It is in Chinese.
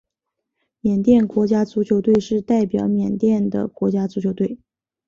缅甸国家足球队是代表缅甸的国家足球队。